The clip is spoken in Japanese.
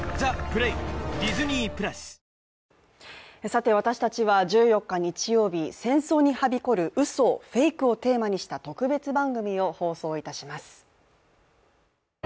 さて私たちは１４日、日曜日戦争にはびこる嘘、フェイクをテーマにした特別番組を放送いたします。